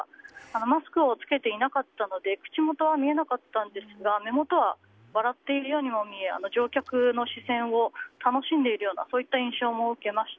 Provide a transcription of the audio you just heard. マスクを着けていなかったので口元は見えなかったんですが目元は笑っており乗客の様子を楽しんでいるような印象も受けました。